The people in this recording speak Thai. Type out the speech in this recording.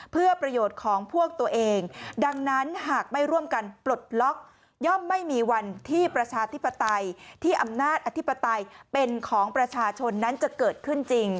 เพื่อประโยชน์ของพวกตัวเองดังนั้นหากไม่ร่วมกันปลดล็อกย่อมไม่มีวันที่ประชาธิปไตยที่อำนาจอธิปไตยเป็นของประชาชนนั้นจะเกิดขึ้นจริง